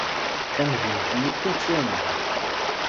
Tamdint-nni wwin-tt waman!